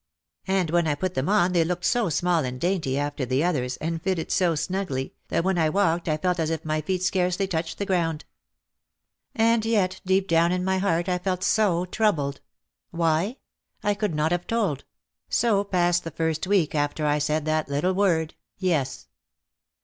And when I put them on they looked so small and dainty after the others, and fitted so snugly, that when I walked I felt as if my feet scarcely touched the ground. And yet deep down in my heart I felt so troubled. Why? I could not have told. So passed the first week after I had said that little word, "Yes."